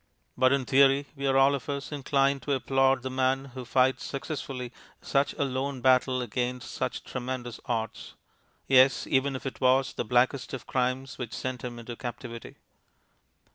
But in theory we are all of us inclined to applaud the man who fights successfully such a lone battle against such tremendous odds; yes, even if it was the blackest of crimes which sent him into captivity.